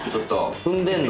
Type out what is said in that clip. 踏んでんの。